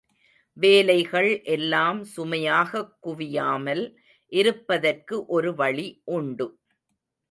வேலைகள் எல்லாம் சுமையாகக் குவியாமல் இருப்பதற்கு ஒரு வழி உண்டு.